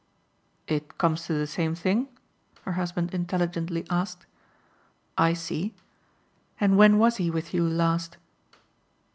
"It comes to the same thing?" her husband intelligently asked. "I see. And when was he with you last?"